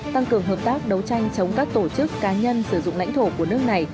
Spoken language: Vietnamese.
tăng cường hợp tác đấu tranh chống các tổ chức cá nhân sử dụng lãnh thổ của nước này